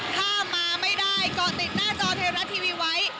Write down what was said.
ถ้ามาไม่ได้ก็ติดหน้าจอเทราะเทราะทีวีไว้